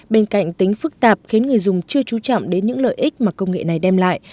bên cạnh tính phức tạp khiến người dùng chưa trú trọng đến những lợi ích mà công nghệ này đem lại